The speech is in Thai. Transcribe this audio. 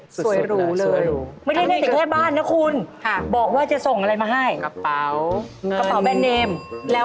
สวยรูเลย